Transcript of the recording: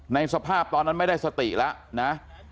สภาพตอนนั้นไม่ได้สติแล้วนะ